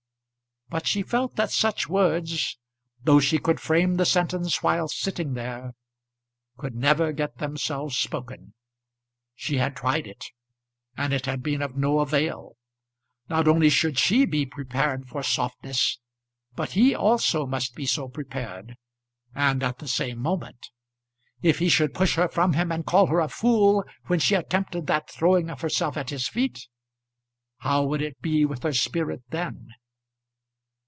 But she felt that such words, though she could frame the sentence while sitting there, could never get themselves spoken. She had tried it, and it had been of no avail. Not only should she be prepared for softness, but he also must be so prepared and at the same moment. If he should push her from him and call her a fool when she attempted that throwing of herself at his feet, how would it be with her spirit then?